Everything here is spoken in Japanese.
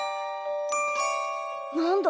何だ？